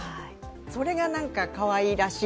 それがかわいらしい。